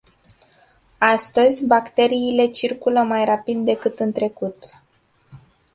Astăzi, bacteriile circulă mai rapid decât în trecut.